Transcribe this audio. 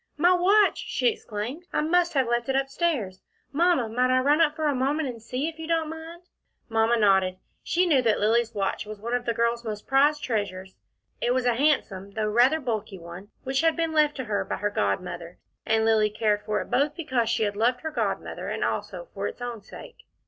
"My watch!" she exclaimed. "I must have left it up stairs. Mamma might I run up for a moment and see, if you don't mind?" Mamma nodded. She knew that Lilly's watch was one of the girl's most prized treasures. It was a handsome, though rather bulky one, which had been left to her by her godmother, and Lilly cared for it both because she had loved her godmother, and also for its own sake.